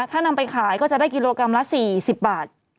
ถ้านำไปขายก็จะได้กิโลกรัมละ๔๐บาท